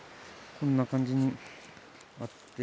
こんな感じにあって。